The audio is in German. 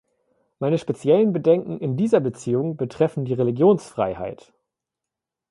Meine speziellen Bedenken in dieser Beziehung betreffen die "Religionsfreiheit".